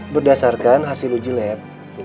berdasarkan hasil uji lab